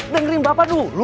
dengerin bapak dulu